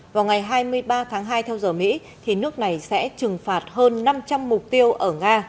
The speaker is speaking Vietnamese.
vào ngày hai mươi ba tháng hai theo giờ mỹ thì nước này sẽ trừng phạt hơn năm trăm linh mục tiêu ở nga